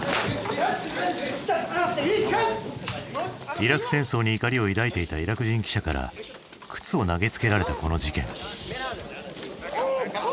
イラク戦争に怒りを抱いていたイラク人記者から靴を投げつけられたこの事件。